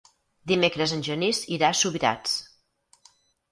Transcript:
Dimecres en Genís irà a Subirats.